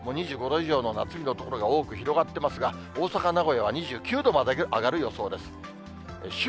２５度以上の夏日の所が多く広がっていますが、大阪、名古屋は２９度まで上がる予想です。